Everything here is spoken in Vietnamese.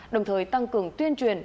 đồng thời tăng cường tuyên truyền